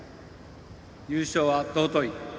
優勝は尊い。